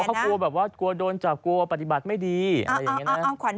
เขากลัวแบบว่ากลัวโดนจับกลัวปฏิบัติไม่ดีอะไรอย่างนี้นะ